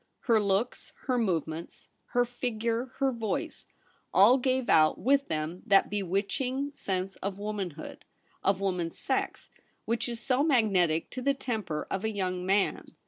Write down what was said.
Her looks, her movements, her figure, her voice, all gave out with them that bewitching sense of womanhood, of woman's sex, which is so magnetic to the temper of a young man.